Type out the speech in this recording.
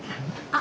あ！